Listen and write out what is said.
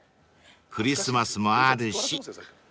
クリスマスもあるし］